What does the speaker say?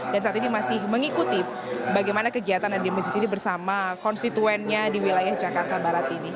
dan saat ini masih mengikuti bagaimana kegiatan yang dimusik ini bersama konstituennya di wilayah jakarta barat ini